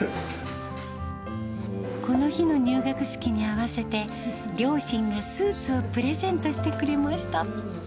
この日の入学式に合わせて、両親がスーツをプレゼントしてくれました。